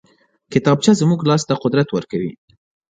کتابچه زموږ لاس ته قدرت ورکوي